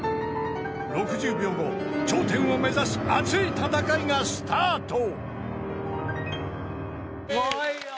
［６０秒後頂点を目指す熱い戦いがスタート！］